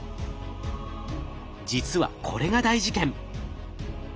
実はこれが大事件。